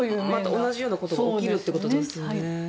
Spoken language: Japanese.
同じようなことが起きるということですよね。